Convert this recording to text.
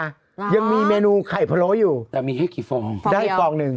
ยังมีเมนูไข่พะโล้อยู่แต่มีให้กี่ฟองได้ฟองหนึ่ง